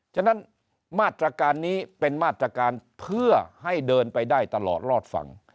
ฉะนั้นมาตรการนี้เป็นมาตรการเพื่อให้เดินไปได้ตลอดรอดฝั่ง